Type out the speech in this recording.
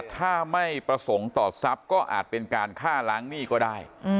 ถ้าไม่ประสงค์ต่อทรัพย์ก็อาจเป็นการฆ่าล้างหนี้ก็ได้